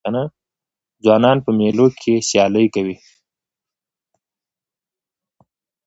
ځوانان په مېلو کښي سیالۍ کوي.